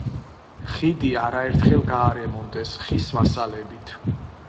ხიდი არაერთხელ გაარემონტეს ხის მასალებით.